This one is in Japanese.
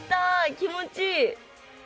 気持ちいい。